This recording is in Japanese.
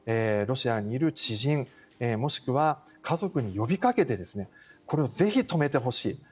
ロシアにいる知人もしくは家族に呼びかけてこれをぜひ止めてほしい。